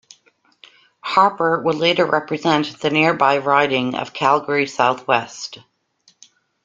Harper would later represent the nearby riding of Calgary Southwest.